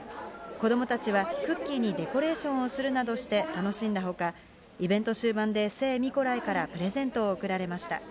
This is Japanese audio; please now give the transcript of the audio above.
子どもたちはクッキーにデコレーションをするなどして楽しんだほか、イベント終盤で聖ミコライからプレゼントを贈られました。